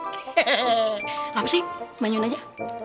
hehehe ngapain sih manyun aja